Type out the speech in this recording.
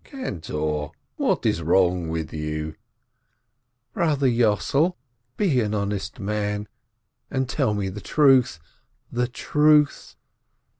"Cantor, what is wrong with you ?" "Brother Yossel, be an honest man, and tell me the truth, the truth